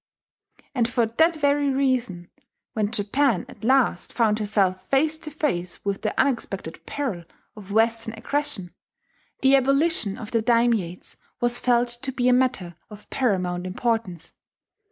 And for that very reason, when Japan at last found herself face to face with the unexpected peril of Western aggression, the abolition of the dairmates was felt to be a matter of paramount importance.